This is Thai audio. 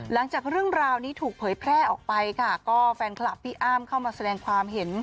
หลังจากเรื่องราวนี้ถูกเผยแพร่ออกไปค่ะก็แฟนคลับพี่อ้ำเข้ามาแสดงความเห็น